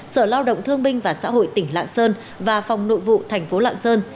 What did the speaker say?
sở lao động thương binh và xã hội tỉnh lạng sơn và phòng nội vụ thành phố lạng sơn